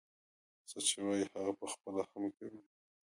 څه چې وايي هغه پخپله هم کوي.